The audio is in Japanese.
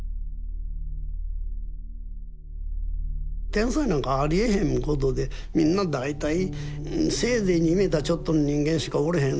天才なんかありえへんことでみんな大体せいぜい２メーターちょっとの人間しかおれへん。